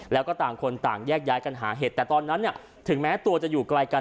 แล้วก็ต่างคนต่างแยกย้ายกันหาเห็ดแต่ตอนนั้นเนี่ยถึงแม้ตัวจะอยู่ไกลกัน